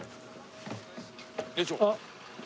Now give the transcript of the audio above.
よいしょ！